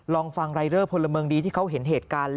ลองฟังรายเดอร์พลเมืองดีที่เขาเห็นเหตุการณ์